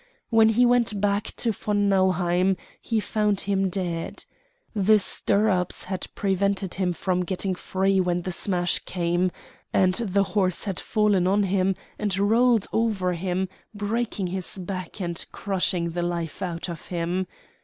When he went back to von Nauheim he found him dead. The stirrups had prevented him from getting free when the smash came, and the horse had fallen on him and rolled over him, breaking his back and crushing the life out of him.